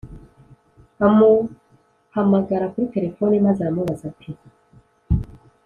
amuhamagara kuri terefoni maze aramubaza ati: